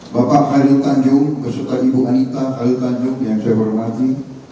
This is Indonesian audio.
bapak halil tanjung beserta ibu anita halil tanjung yang saya hormati